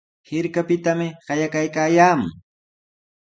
Hirkapitami qayakuykaayaamun.